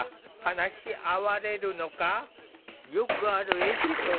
よくあるエピソードがこちら。